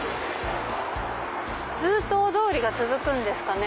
ずっと大通りが続くんですかね。